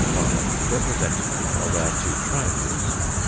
5^ representative of our two triangles.